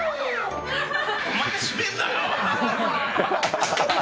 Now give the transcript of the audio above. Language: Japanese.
お前が締めんなよ。